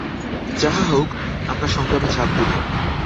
যাহা হউক আমরা সংগ্রামে ঝাঁপ দিলাম।